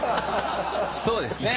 そうですね。